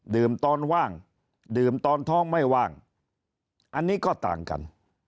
ตอนว่างดื่มตอนท้องไม่ว่างอันนี้ก็ต่างกัน